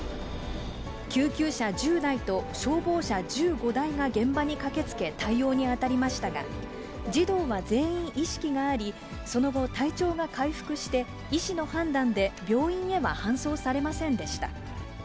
救急車１０台と消防車１５台が現場に駆けつけ対応に当たりましたが、児童は全員意識があり、その後、体調が回復して、医師の判断で病院へは搬送されませんでした。